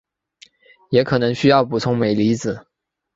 也可能需要补充镁离子。